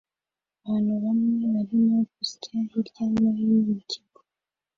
Abantu bamwe barimo gusya hirya no hino mu kigo